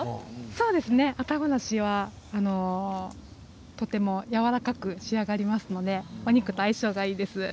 そうですねあたご梨はとてもやわらかく仕上がりますのでお肉と相性がいいです。